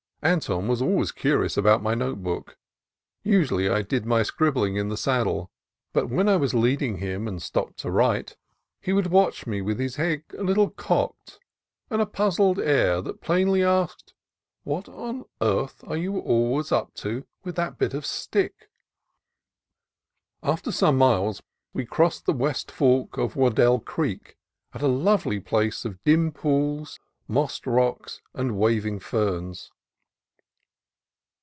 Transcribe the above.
Anton was always curious about my note book. Usually I did my scribbling in the saddle, but when I was leading A FOREST ROAD IN SANTA CRUZ COUNTY AGAIN AT THE COAST 235 him and stopped to write, he would watch me with his head a little cocked and a puzzled air that plainly asked, "What on earth are you always up to with that bit of stick?" After some miles we crossed the west fork of Waddell Creek at a lovely place of dim pools, mossed rocks, and waving ferns.